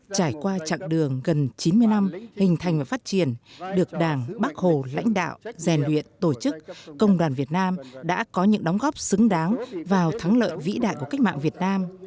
trải qua chặng đường gần chín mươi năm hình thành và phát triển được đảng bác hồ lãnh đạo rèn luyện tổ chức công đoàn việt nam đã có những đóng góp xứng đáng vào thắng lợi vĩ đại của cách mạng việt nam